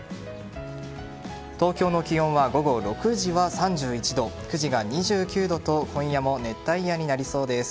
東京の気温は午後６時は３１度９時が２９度と今夜も熱帯夜になりそうです。